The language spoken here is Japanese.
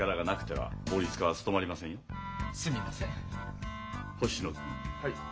はい。